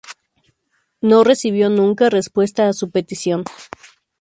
No recibió nunca respuesta a su petición.